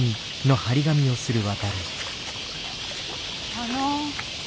あの。